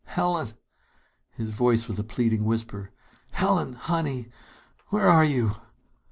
"Helen!" His voice was a pleading whisper. "Helen, honey, where are you?"